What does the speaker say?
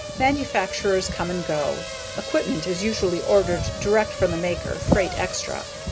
Manufacturers come and go. Equipment is usually ordered direct from the maker, freight extra.